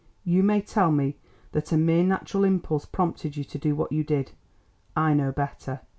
You may tell me that a mere natural impulse prompted you to do what you did. I know better.